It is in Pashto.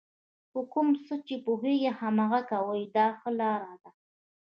په کوم څه چې پوهېږئ هماغه کوئ دا ښه لار ده.